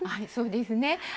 そうですね。